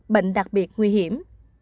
bệnh đặc biệt nguy hiểm